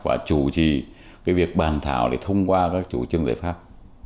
và chủ trì việc bàn thảo để thông qua các chủ trương giải pháp